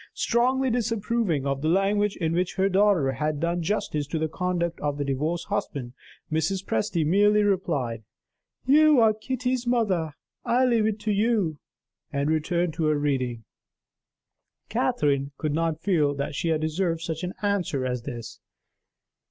Strongly disapproving of the language in which her daughter had done justice to the conduct of the divorced husband, Mrs. Presty merely replied: "You are Kitty's mother; I leave it to you" and returned to her reading. Catherine could not feel that she had deserved such an answer as this.